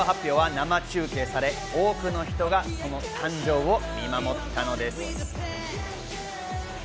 生中継され、多くの人がその誕生を見守ったのです。